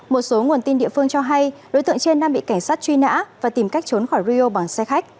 một số nguồn tin địa phương cho hay đối tượng trên đang bị cảnh sát truy nã và tìm cách trốn khỏi rio bằng xe khách